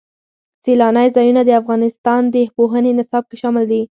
سیلانی ځایونه د افغانستان د پوهنې نصاب کې شامل دي.